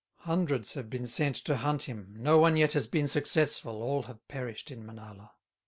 Hundreds have been sent to hunt him, So one yet has been successful, All have perished in Manala."